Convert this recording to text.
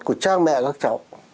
của cha mẹ các cháu